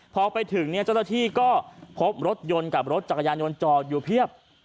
พอไปถึงเจ้าหน้าที่ก็พบรถยนต์กับรถจักรยานยนต์จอดอยู่เพียบ